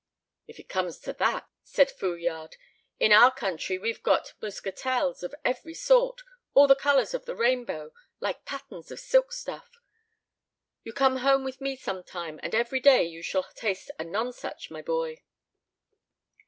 "If it comes to that," said Fouillade, "in our country we've got muscatels of every sort, all the colors of the rainbow, like patterns of silk stuff. You come home with me some time, and every day you shall taste a nonsuch, my boy."